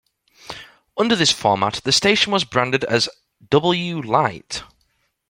Under this format, the station was branded as "W-Lite".